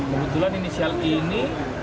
kebetulan inisial i ini